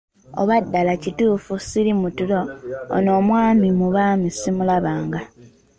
Oba ddala nga kituufu sili mu ttulo, ono omwami mu baami simulabanga!